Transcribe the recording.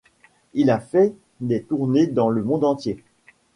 Il a fait des tournées dans le monde entier.